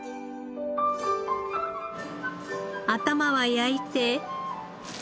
頭は焼いて。